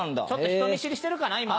ちょっと人見知りしてるかな？